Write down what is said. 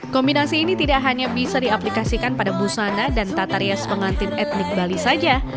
kombinasi ini tidak hanya bisa diaplikasikan pada busana dan tata rias pengantin etnik bali saja